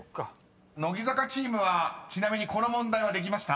［乃木坂チームはちなみにこの問題はできました？］